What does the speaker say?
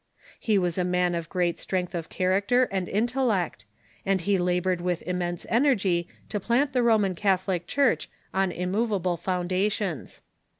He was a man of great strength of character and intellect, and he labored with im mense energy to plant the Roman Catholic Church on immov able foundations.